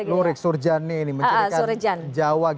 lurik surjan ini menunjukkan jawa